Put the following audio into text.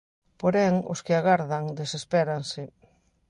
Porén, os que agardan, desespéranse...